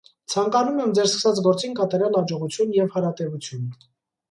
Ցանկանում եմ ձեր սկսած գործին կատարյալ աջողություն և հարատևություն: